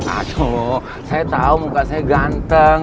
aduh saya tau muka saya ganteng